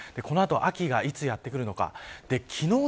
この後秋がいつやってくるのか。